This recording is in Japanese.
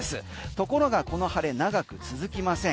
ところが、この晴れ長く続きません。